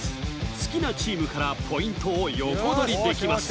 好きなチームからポイントを横取りできます